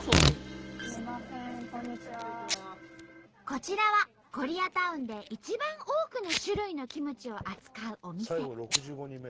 こちらはコリアタウンで一番多くの種類のキムチを扱うお店。